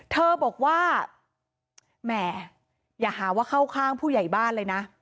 เธอบอกว่าแหมอย่าหาว่าเข้าข้างผู้ใหญ่บ้านเลยนะ